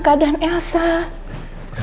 mainkan kayak apa lu